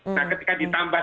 nah ketika ditambah